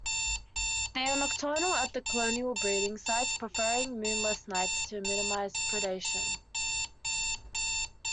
They are nocturnal at the colonial breeding sites, preferring moonless nights to minimise predation.